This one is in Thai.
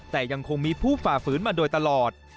แต่ยังคงมีผู้ฝ่าฝืนมาโดยตลอด